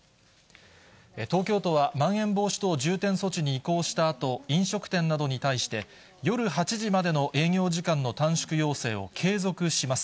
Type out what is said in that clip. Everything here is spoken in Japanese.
東京都は、まん延防止等重点措置に移行したあと、飲食店などに対して、夜８時までの営業時間の短縮要請を継続します。